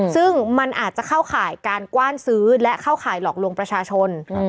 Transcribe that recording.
ซึ่งมันอาจจะเข้าข่ายการกว้านซื้อและเข้าข่ายหลอกลวงประชาชน